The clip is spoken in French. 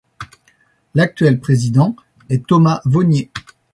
L’actuel président est Thomas Vonier.